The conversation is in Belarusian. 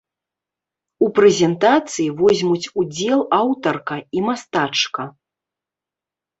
У прэзентацыі возьмуць удзел аўтарка і мастачка.